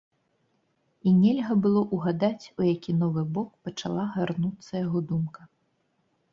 І нельга было ўгадаць, у які новы бок пачала гарнуцца яго думка.